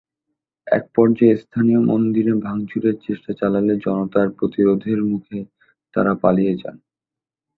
একপর্যায়ে স্থানীয় মন্দিরে ভাঙচুরের চেষ্টা চালালে জনতার প্রতিরোধের মুখে তাঁরা পালিয়ে যান।